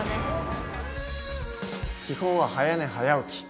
基本は早寝早起き。